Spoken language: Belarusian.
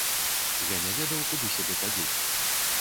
Я не ведаў, куды сябе падзець.